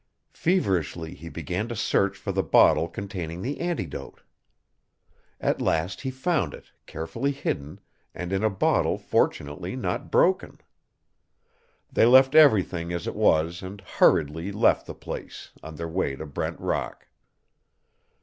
Feverishly he began to search for the bottle containing the antidote. At last he found it, carefully hidden, and in a bottle fortunately not broken. They left everything as it was and hurriedly left the place, on their way to Brent Rock.